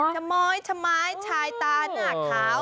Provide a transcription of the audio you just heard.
ชะม้อยชะไม้ชายตาหน้าขาว